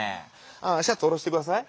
ああシャツ下ろしてください。